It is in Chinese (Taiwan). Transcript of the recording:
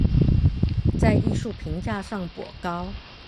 在藝術評價上頗高